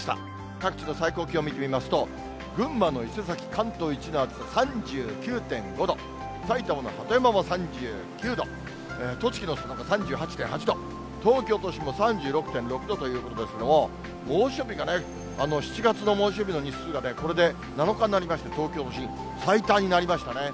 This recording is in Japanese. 各地の最高気温見てみますと、群馬の伊勢崎、関東一の暑さ、３９．５度、埼玉の鳩山も３９度、栃木の佐野が３８．８度、東京都心も３６．６度ということですけれども、猛暑日が７月の猛暑日の日数がこれで７日になりまして、東京都心も最多になりましたね。